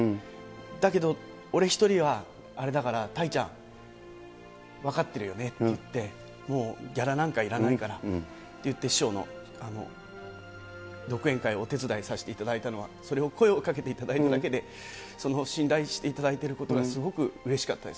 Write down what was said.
だけど俺一人はあれだから、たいちゃん、分かってるよねって言って、もうギャラなんかいらないからって言って、師匠の独演会をお手伝いさせていただいたのは、それを声をかけていただいただけで、その信頼していただいてるこ本当ですね。